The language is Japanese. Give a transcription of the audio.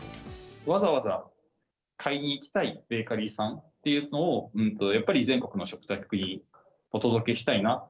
わざわざ買いに行きたいベーカリーさんっていうのを、やっぱり全国の食卓にお届けしたいなと。